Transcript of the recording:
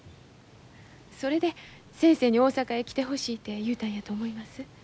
それで先生に大阪へ来てほしいて言うたんやと思います。